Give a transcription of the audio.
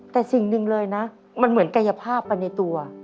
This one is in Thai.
แต่สิ่งหนึ่งเลยนะมันเหมือนกายภาพไปในตัว